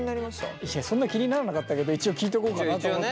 いやそんな気にならなかったけど一応聞いとこうかなと思って。